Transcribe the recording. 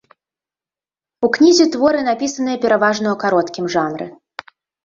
У кнізе творы, напісаныя пераважна ў кароткім жанры.